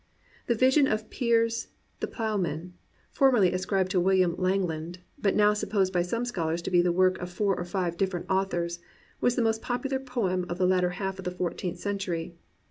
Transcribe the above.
"The Vision of Piers the Plowman," formerly ascribed to WiUiam Langland, but now supposed by some scholars to be the work of four or five different authors, was the most popular poem of the latter half of the fourteenth century.